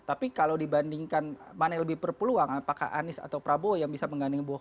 tapi kalau dibandingkan mana yang lebih berpeluang apakah anies atau prabowo yang bisa mengganding